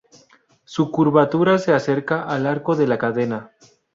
Su curvatura se acerca al arco de la cadena.